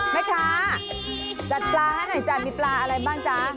แม่ค้าจัดปลาให้หน่อยจ้ะมีปลาอะไรบ้างจ๊ะ